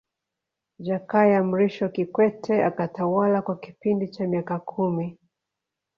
Jakaya Mrisho Kikwete akatawala kwa kipindi cha miaka kumi